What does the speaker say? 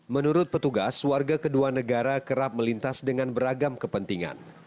menurut petugas warga kedua negara kerap melintas dengan beragam kepentingan